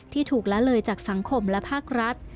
ถูกละเลยจากสังคมและภาครัฐ